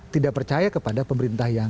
tidak percaya kepada pemerintah yang